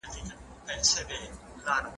څومره مې پاته په هرچا پسې پورونه